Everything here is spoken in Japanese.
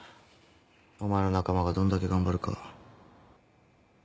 お前の仲間がどんだけ頑張るか。